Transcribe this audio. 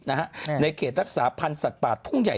ในเขตรักษาพันธ์สัตว์ป่าทุ่งใหญ่